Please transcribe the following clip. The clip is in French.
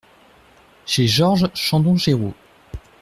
Chez Georges Chandon-Géraud.